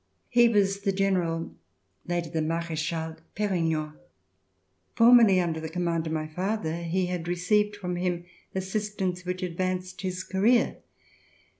He was the General, later the Marechal, Perignon. Formerly under the command of my father, he had received from him assistance which advanced his career.